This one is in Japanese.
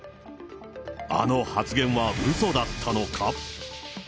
あの発言はうそだったのか。